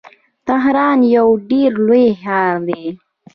تهران یو ډیر لوی ښار دی.